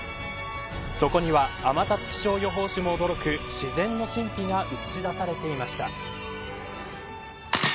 そこには、天達気象予報士も驚く自然の神秘が映し出されていました。